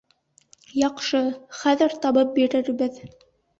Яҡшы, хәҙер табып бирербеҙ